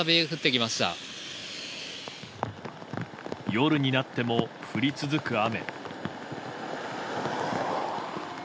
夜になっても降り続く雨。